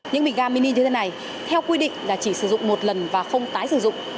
những bình ga mini như thế này theo quy định là chỉ sử dụng một lần và không tái sử dụng